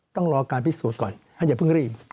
ต้องรอการพิสูจน์ก่อนท่านอย่าเพิ่งรีบ